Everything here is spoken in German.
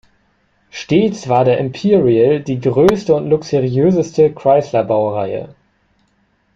Stets war der Imperial die größte und luxuriöseste Chrysler-Baureihe.